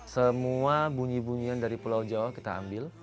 semua bunyi bunyian dari pulau jawa kita ambil